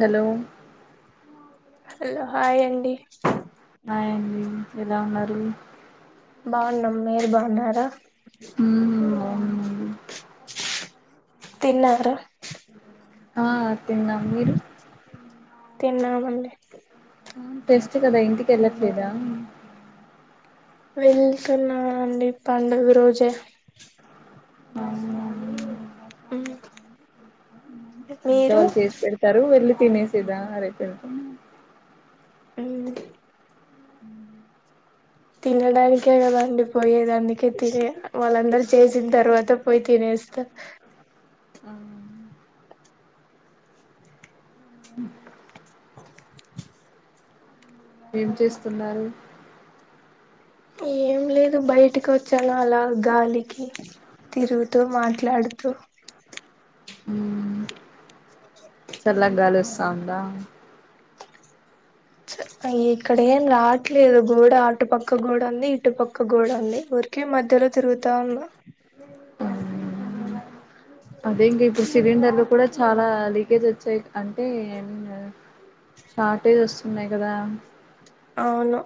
Hello hello hi అండి hi అండి ఎలా ఉన్నారు బావున్నాం మీరు బావున్నారా మ్మ్ [inaudible] తిన్నారా ఆ తిన్నాం మీరు తిన్నామండి టెస్ట్ కదా ఇంటికెళ్ళట్లేదా వెళ్తున్నా అండి పండగ రోజే ఉమ్ ఇంట్లో వాళ్ళు చేసి పెడతారు వెళ్ళి తినేసేదా రేపెళ్తే ఉమ్ తినడానికే కదా అండి పోయేదండి కి తినే వాళ్ళందరి చేసిన తర్వాత పోయి తినేస్తా ఆ, ఏం చేస్తున్నారు ఏం లేదు బయటికొచ్చాను అలా గాలికి తిరుగుతూ మాట్లాడుతూ చల్లగ గాలొస్తా ఉందా అయ్ ఇక్కడేం రావట్లేదు గోడ అటుపక్క గోడ ఉంది ఇటుపక్క గోడ ఉంది ఊరికే మధ్యలో తిరుగుతా ఉన్నా అదే ఇంక ఇప్పుడు సిలిండర్లు కూడా చాలా లీకేజ్ వచ్చాయి అంటే మ్ షార్టేజ్ వస్తున్నాయి కదా అవును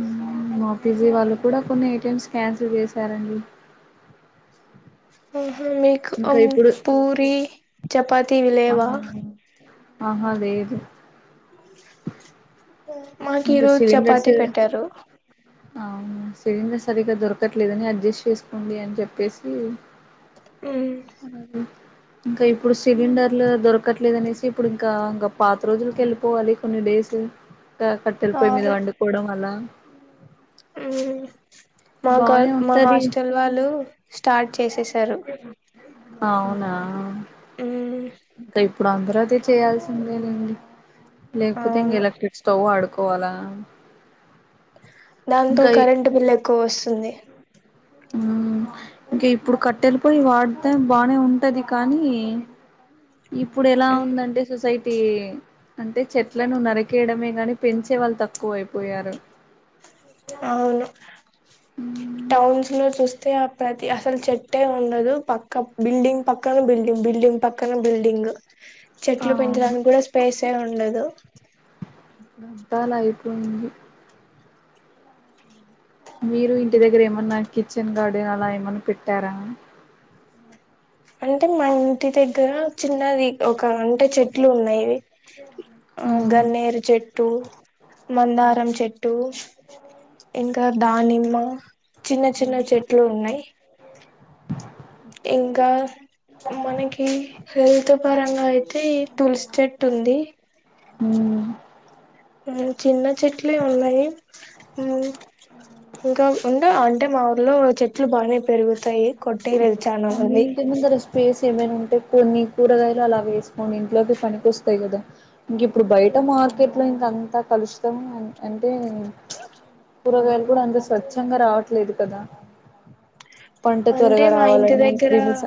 మ్మ్, మా పీ జీ వాళ్ళు కూడా కొన్ని ఐటమ్స్ క్యాన్సిల్ చేశారండి హు మీకు ఇంకా అం ఇప్పుడు పూరి చపాతీ ఇవి లేవా ఆహా ఆహా లేదు మాకు ఈ ఇంకా రోజు సిలిండర్స్ చపాతి పెట్టారు అవును సిలిండర్ సరిగ్గా దొరకట్లేదని అడ్జస్ట్ చేసుకోండి అని చెప్పేసి [inaudible] అది ఇంకా ఇప్పుడు సిలిండర్లు దొరకట్లేదనేసి ఇప్పుడు ఇంక ఇంక పాత రోజులకి ఎళ్ళిపోవాలి కొన్ని డేస్ క కట్టెల పొయ్యి మీద వండుకోవడం అలా ఉమ్మ్ మా కా బానే మా ఉంటది హాస్టల్ వాళ్ళు స్టార్ట్ చేసేసారు అవునా క ఇ ఇప్పుడు అందరూ అదే చెయ్యాల్సిందే లేండి లేకపోతే ఇంక అవును ఎలక్ట్రిక్ స్టవ్ ఆడు కోవాల దాంతో కరెంట్ బిల్ ఎ ఎక్కువ వస్తుంది ఇంకా ఇప్పుడు కట్టెలి పోయి వాడితే బానే ఉంటది కానీ ఇప్పుడు ఎలా ఉందంటే సొసైటీ అంటే చెట్లను నరికేయడమే గాని పెంచే వాళ్ళు తక్కువ అయిపోయారు అవును హ్మ్మ్ టౌన్స్ లో చూస్తే ప్రతి అసలు చెట్టే ఉండదు పక్క బిల్డింగ్ పక్కన బిల్డింగ్ బిల్డింగ్ పక్కన బిల్డింగ్ చెట్లు అవును పెంచడానికి కూడా స్పేసే ఉ ఉండదు అయిపోయింది మీరు ఇంటి దగ్గర ఏమన్నా కిచెన్ గార్డెన్ అలా ఏమన్నా పెట్టారా అంటే మా ఇంటి దగ్గర చిన్నది ఒక అంటే చెట్లు ఉన్నాయివి ఆ గన్నేరు చెట్టు ఆ మందారం చెట్టు ఇంకా దానిమ్మ ఆ [unintelligible] చిన్న చిన్న చెట్లు ఉన్నాయి ఇంకా మనకి హెల్త్ పరంగా అయితే అయితే తులసి చెట్టు ఉంది హ చిన్న చెట్లే ఉన్నాయి ఇంకా ఉంట అంటే మా ఊర్లో చెట్లు బానే పెరుగుతాయి కొట్టేయలేదు చాలా మీ మంది ఇంటి ముందర స్పేస్ ఏమైనా ఉంటే కొన్ని కూరగాయలు అలా వేసుకోండి ఇంట్లోకి పనికొస్తాయి కదా ఇంక ఇప్పుడు బయట మార్కెట్ లో ఇంక అంత కలుషితం అంటే కూరగాయలు కూడా అంత స్వచ్ఛంగా రావట్లేదు కదా పంట త్వరగా రావాలని క్రిమిస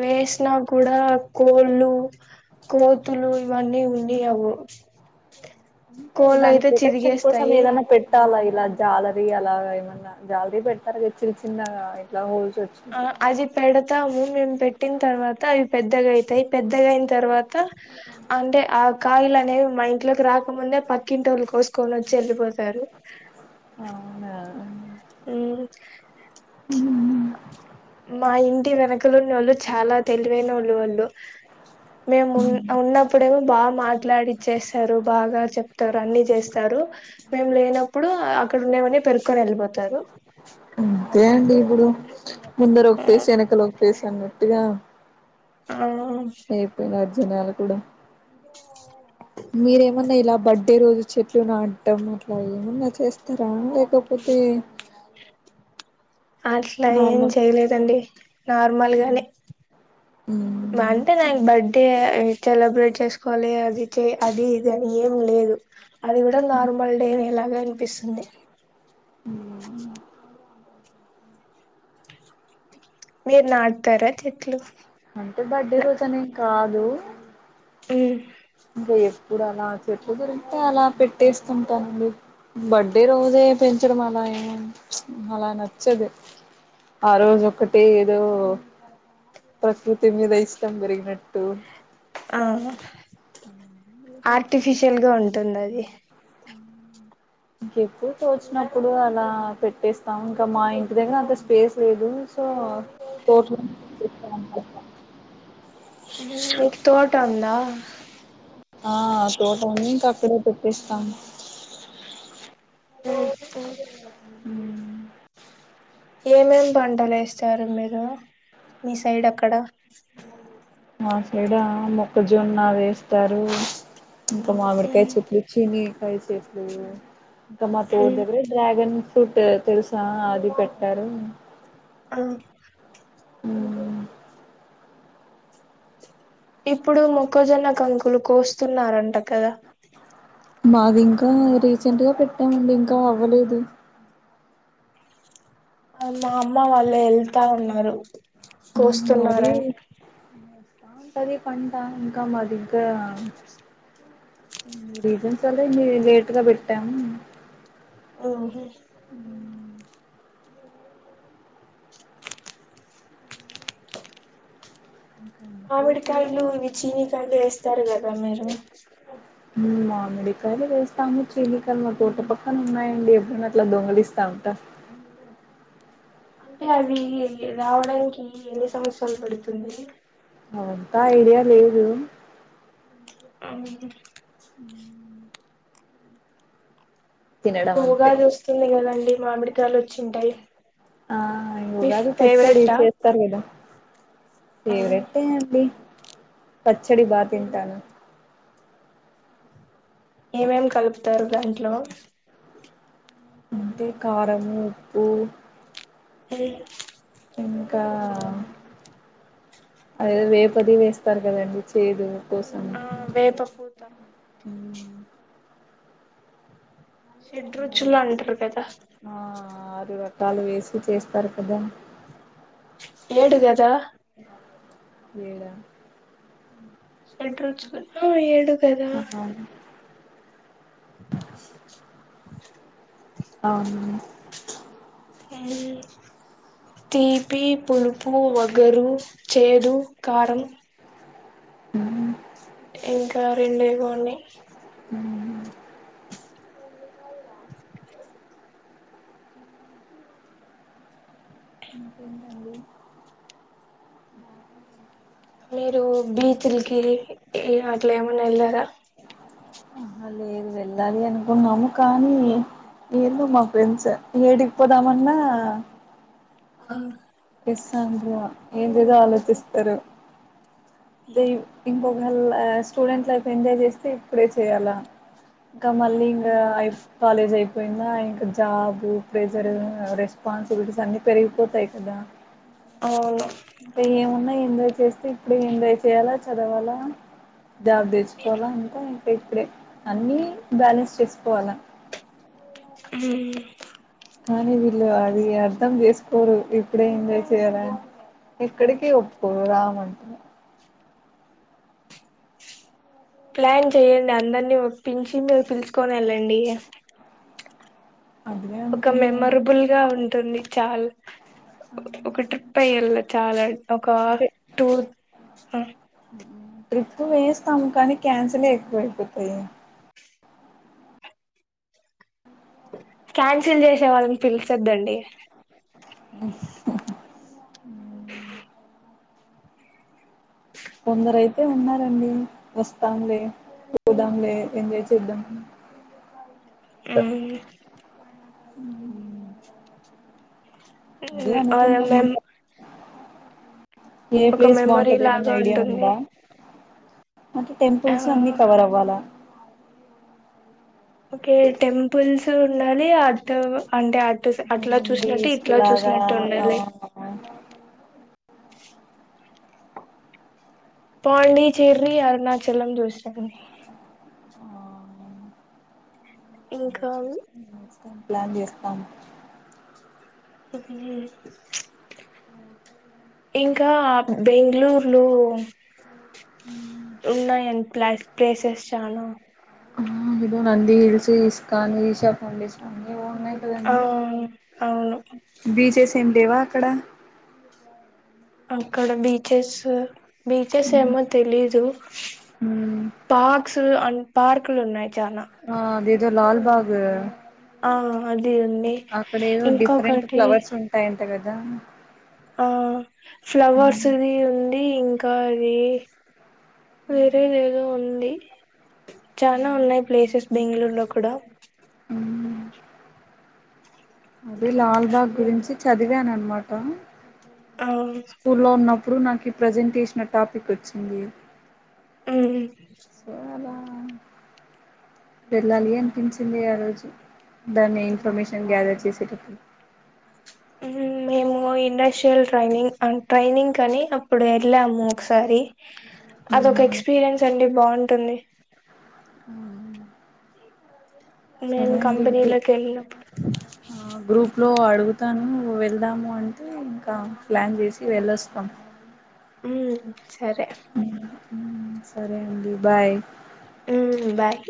వేస్ విన కూడా కోళ్ళు కోతులు ఇవన్నీ ఉన్నియ్యవు అంటే దాని ప్రొటెక్షన్ కోసం ఏదనా పెట్టాల ఇలా జాలరీ అలాగా ఏమన్నా జాలరీ పెడతారుద చిన్న చిన్నగా ఇట్లా హోల్ ఆ అది పెడతాము మేము పెట్టిన తర్వాత అవి పెద్దగా అవుతాయి పెద్దగా అయిన తర్వాత అంటే ఆ కాయలు అనేవి మా ఇంట్లోకి రాకముందే పక్కింటోలు కోసుకోవనిచ్చు చల్లిపోతారు అవునా మా ఇంటి వెనకలున్న వాళ్ళు చాలా తెలివైన వాళ్ళు వాళ్ళు మేము ఉ ఉన్న అప్పుడేమో బాగా మాట్లాడిచ్చస్తారు బాగా చెప్తారు అన్ని చేస్తారు మేము లేనప్పుడు అక్కడ ఉండమని పెరుకొని వెళ్ళిపోతారు అంతే అండి ఇప్పుడు ముందర ఒక ఆ ఫేస్ వెనకలో ఒక ఫేస్ అన్నట్టుగా ఆ, ఏ పో రాద్ జనాలు కూడా మీరేమన్నా ఇలా బర్త్డే రోజు చెట్లు నాడటం అట్లా ఏమన్న చేస్తారా లేకపోతే అట్ల ఏం నార్మల్ చేయలేదండి నార్మల్గని అంటే నాక్ బర్త్డే సెలబ్రేట్ చేస్కోవలే అది చే అది ఇది అని ఏం లేదు అది గుడం నార్మల్డే వేలాగా పిస్తుంది. మ్ మీర్ నాట్తరా చెట్లు అంటే బర్త్డే రోజనే కా లో మ్ బియ్యం ఇప్పుడు అలా చెట్లు దొరింట అలా పెట్టేస్తుంటానండి. బర్త్డే రోజే పెంచడం అలా ఏ అలా నచ్చదు. ఆ రోజు ఒకటి ఏదో ప్రకృతి మీద ఇష్టం పెరిగినట్ టు ఆ ఆర్టిఫిషియల్గా ఉం టున్నది. ఎప్పుడు తోచినప్పుడు అలా పెట్టేస్తాం ఇంకా మా ఇంటి దగ్గర అంత స్పేస్ లేదు సో తోట్లో మీక్ తోట ఉందా ఆ తోట ఉంది. ఇంకా అక్కడే పెట్టేస్తాం. ఓ ఏమేం పంటల్ ఏస్తారు మీరు మీ సైడ్ అక్కడ మా సైడా మొక్కజొన్న వేస్తారు. ఇంకా మ్ మామిడికాయ చెట్లు చిని రై చెట్లు ఇంకా మా మ్ తోటవే డ్రాగన్ ఫ్రూట్ తెల్సా అది పెట్టారు. ఆ మ్ ఇప్పుడు మొక్కజొన్న, కంకులు కోస్తున్నారంట కదా మాది ఇంకా రీసెంట్గా పెట్టామండి ఇంకా అవ్వలేదు. మా అమ్మ వాళ్ళయి ఎళ్తా అన్నరు. అది కోస్తున్నారన్ బాగుంటది పంట ఇంకా మాదిగ్గా రీజన్స్ వల్ల లేట్గా పెట్టాము. ఆహ ఇంకంతే ఇప్పుడు మామిడికాయలు ఇవి చీనికాయలు వేస్తారు కదా మీరు ఉమ్ మామిడి కా వేస్తాముచ్చీన్నికలు మా కోట పక్కన ఉన్నాయండి ఎప్పుడైనా అట్లా దొంగలిస్తా ఉంట అంటే అవి రావడానికి ఎన్ని సంచరాలు పడుతుంది అవుంతా ఐడియా లేదు అవునా ఉ తినడం ఇప్పుడు అంతే ఉగాది వస్తుంది కదండి డి మామిడి ఆ ఇ మీ ఉగాది పచ్చడి ఫేవరెటా చేస్తారు కదా ఫేవరెట్ ఏ అండి పచ్చడి బాగా తింటాను ఏమేం కలుపుతారు దాంట్లో అంటే కారము ఉప్పు ఉమ్ ఇంకా అదే వేపది వేస్తారు కదండి చేదు కోసం ఆ వేప ఫూత షెడ రుచుల్లో అంటారు కదా పట్టాలు వేసి చేస్తారు కదా ఏడు కదా ఏడా షడ్ రుచులు ఏడు కదా అవును థిపి పులుపు వ గరు చేడు కారం ఉమ్ ఇంకా రెండే ఇవో ఉనయ్ ఉమ్ మీరు బీచ్లకి అట్లా ఏమన్నా వెళ్లారా ఆహా లేదు వెళ్ళాలి అనుకున్నాము కానీ ఏందో మా ఫ్రెండ్స్ ఏడిగిపోదామన్నా ఆ ఎస్ ఆధ్ర ఏం లేదో ఆలోచిస్తారు ద ఇంకొకేళ స్టూడెంట్ లైఫ్ ఎంజాయ్ చేస్తే ఇప్పుడే చేయాలా ఇంకా మళ్ళీ ఇంకా కాలేజ్ అయిపోయిందా ఇంకా జాబు ప్రెజర్ రెస్పాన్సిబిలిటీస్ అన్ని పెరిగిపోతాయి కదా అవును అంట ఏమున్నా ఎంజాయ్ చేస్తే ఇప్పుడే ఎంజాయ్ చేయాలా చదవాలా జాబ్ తెచ్చుకోవాలా అంట ఇకా ఇప్పుడే అన్ని బ్యాలెన్స్ చేసుకోవాలా కానీ వీళ్ళు అది అర్ధం చేసుకోరు ఇప్పుడే ఎంజాయ్ చేయాలని ఎక్కడిక ఒప్పుకోరు రామంటారు ప్లాన్ చెయ్యడి అందరిని ఒప్పించి మీరు పిలుసుకొని వెళ్ళండి అదే ఒక అనుకున్నాము మెమరబుల్ గా ఉంటుంది చాలా ఒక ట్రిప్ అయ్య వెళ చాలా ఒక ఇంకే టూర్ ఆ ట్రిప్పు వేస్తాం కానీ క్యాన్సిల్ అయకపోయిపోతాయి క్యాన్సిల్ చేసే వాళ్ళని తెలిచద్దండి అ కొందరయితే ఉన్నారండి వస్తాంలే పోదాంలే ఎంజాయ్ చేద్దాంలే ఉమ్ ఉ ఉమ్ అల మీమ్ ఇంకా ఏ ప్లేస్ లాగా బాగుంటందేమన్న ఐడియా ఉంటుంది ఉందా నాక్ ఆ టెంపుల్స్ అన్నిీ కవర్ అవ్వాల ఓకే టెంపుల్స్ ఉండాలి అటు అంటే అటు స్ అట్ల మ్మ్ చూసినట్టు బీచ్ ఇట్ల లాగా చూసినట్టు ఆ ఉండాలి పాండి చేీర్రీ అరునా చెలం చూస్తడి అది ఇంకా చూస్తాం ప్లాన్ చేస్తాం స్ ఇంక బెంగ్ళూరులో అ ఉన్నాయండి ప్లాస్ ప్లేసెస్ చానా ఆ అదిగో నండి హిల్స్ ఇస్కాాన్ ఈశాంండ ఆ స్వామి అవును బీ జెస్ టండేవా అక్కడ అక్కడ బీచెస్ బీచెస్ ఏమో తెలీదు మ్మ్ పార్క్స్ అంట పార్కులు ఉన్నయి ఆ అదె జు లాన్ బాగు ఆ అది ఉంది ఇంకొకటి అంటే గదా ఆ ఫ్లవర్స్ది ఉండి ఇం కారి వేరే దేదో ఉంది చాన ఉన్నయి ప్లేసెస్ బెంగ్ళూరులో కూడా మ్మ్ అదే లాల్ బా గురించి చదివాను అన్మాట ఆ స్కూల్లో ఉన్నప్పు ప్పుడు నాకీ ప్రజెంటేషన్ టాపిక్ వచ్చింది అవును సో అలా వెళ్ళాలి అనిపించింది ఆ రోజు దాన్ని ఇన్ఫర్మేషన్ గ్యాదర్ చేసేటప్పుడు ఉమ్ మేము ఇండస్ట్రియల్ ట్రైనింగ్ అం ట్రైనింగ్ కాని అప్పుడు వెళ్ళాము ఒకసారి అదొక ఎక్స్పీరియన్స్ అండి బావుంటుంది ఉమ్మ్ మేము సరే అండి గ్రూప్ కంపెనీలోకి వెళ్ళినప్పుడు ఆ గ్రూప్ ట్లో అడుగుతాను వెళ్దాము అంటే ఇంక ప్లాన్ చేసి వెళ్ళొస్తాము ఉమ్ సరే సరే అండి బాయ్ ఉమ్మ్ బాయ్